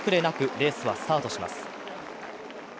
レースはスタートします。